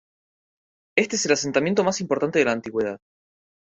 Este es el asentamiento más importante de la antigüedad.